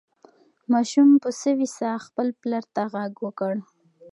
ماشوم په سوې ساه خپل پلار ته غږ وکړ.